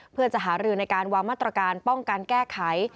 เพื่อจะหารือในการวางมาตรการป้องกันแก้ไข